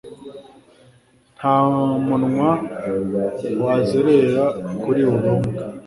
nta munwa wazerera kuri buri umwe